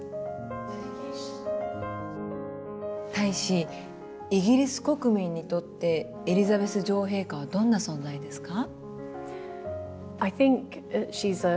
大使イギリス国民にとってエリザベス女王陛下はどんな存在ですか？